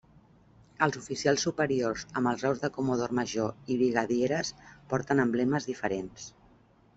Els oficials superiors amb els graus de comodor major i brigadieres porten emblemes diferents.